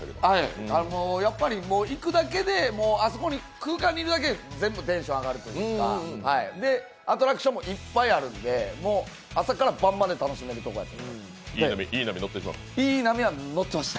行くだけで、あそこの空間にいるだけでテンション上がるというかアトラクションもいっぱいあるので、朝から晩まで楽しめると思います。